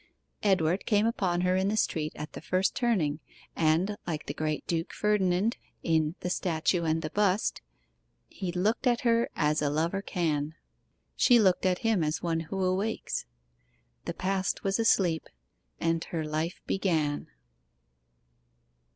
Edward came upon her in the street at the first turning, and, like the Great Duke Ferdinand in 'The Statue and the Bust' 'He looked at her as a lover can; She looked at him as one who awakes The past was a sleep, and her life began.